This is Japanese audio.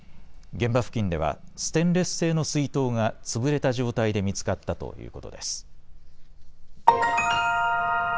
現場付近ではステンレス製の水筒が潰れた状態で見つかったということです。